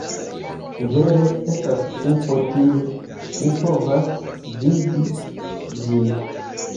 Vere estas pupo tie, mi povas vidi ĝin.